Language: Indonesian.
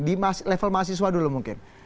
di level mahasiswa dulu mungkin